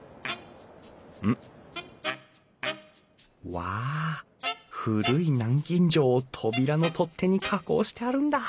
わあ古い南京錠を扉の取っ手に加工してあるんだ。